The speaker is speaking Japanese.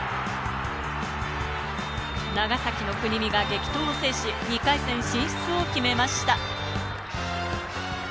長崎の国見が激闘を制し、２回戦進出を決めました。